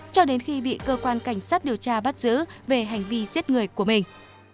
cho đến khi bị cơ quan cảnh sát điều tra bắt giữ về hành vi giết người của mình